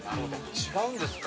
◆違うんですか。